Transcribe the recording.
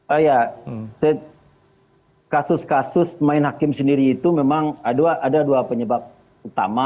oh iya kasus kasus main hakim sendiri itu memang ada dua penyebab utama